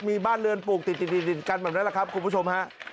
มีบ้านเรือนปลูกติดกันแบบนั้นแหละครับคุณผู้ชมฮะ